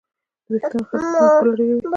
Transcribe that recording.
د ویښتانو ښه ساتنه ښکلا ډېروي.